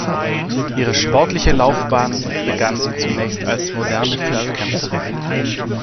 Ihre sportliche Laufbahn begann sie zunächst als Moderne Fünfkämpferin.